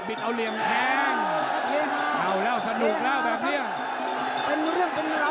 ตอนนี้มันถึง๓